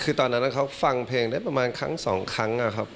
คือตอนนั้นเขาฟังเพลงได้ประมาณครั้งสองครั้งนะครับ